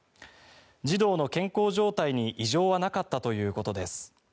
児童の健康状態に異常はなかったということです。